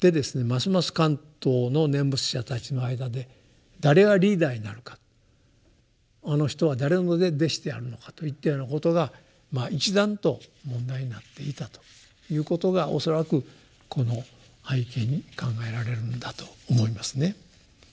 ますます関東の念仏者たちの間で誰がリーダーになるかあの人は誰の弟子であるのかといったようなことが一段と問題になっていたということが恐らくこの背景に考えられるんだと思いますね。